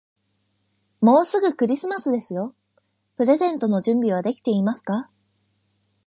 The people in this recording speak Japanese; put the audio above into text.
もうすぐクリスマスですよ。プレゼントの準備はできていますか。